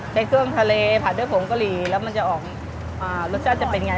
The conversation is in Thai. เครื่องทะเลผัดด้วยผงกะหรี่แล้วมันจะออกอ่ารสชาติจะเป็นไง